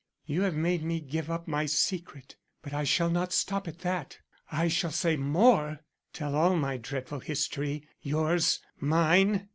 You have made me give up my secret, but I shall not stop at that. I shall say more; tell all my dreadful history; yours mine.